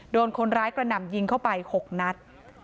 โดนคนร้ายกระหน่ำยิงเข้าไป๖นัด